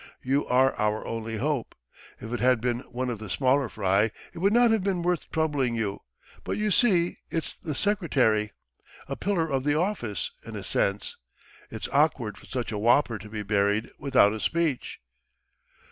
... You are our only hope. If it had been one of the smaller fry it would not have been worth troubling you, but you see it's the secretary ... a pillar of the office, in a sense. It's awkward for such a whopper to be buried without a speech."